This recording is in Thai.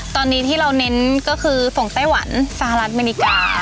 ตอนนี้ที่เราเน้นก็คือส่งไต้หวันสหรัฐอเมริกาค่ะ